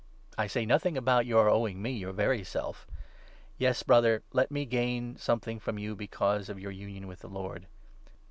I say nothing about your owing me your very self. Yes, 20 Brother, let me gain something from you because of your union with the Lord.